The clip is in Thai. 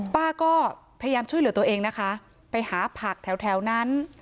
ป้าก็พยายามช่วยเหลือตัวเองนะคะไปหาผักแถวนั้น